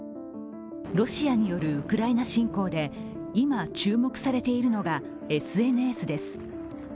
ロシアによるウクライナ侵攻で今注目されているのがＳＮＳです。